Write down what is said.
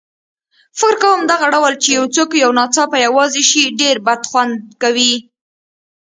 فکر کوم دغه ډول چې یو څوک یو ناڅاپه یوازې شي ډېر بدخوند کوي.